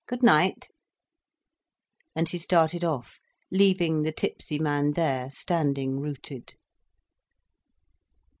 "Good night." And he started off, leaving the tipsy man there standing rooted.